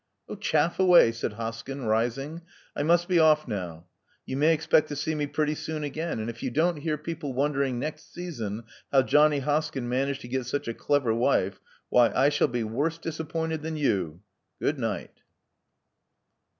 "Chaff away," said Hoskyn, rising. "I must be off now. You may expect to see me pretty soon again ; and if you don't hear people wondering next season how Johnny Hoskyn managed to get such a clever wife — why, I shall be worse disappointed than you. Goodnight."